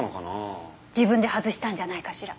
自分で外したんじゃないかしら。